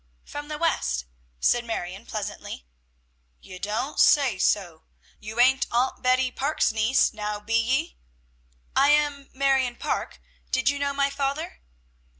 "From the West," said Marion pleasantly. "You don't say so. You ain't Aunt Betty Parke's niece, now, be ye?" "I am Marion Parke. Did you know my father?"